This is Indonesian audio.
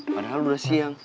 padahal udah siang